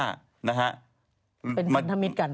คุณเทย่า